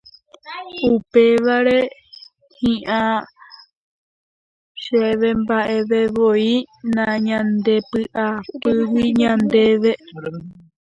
Upévare hi'ã chéve mba'evevoi nañandepy'apýi ñandéve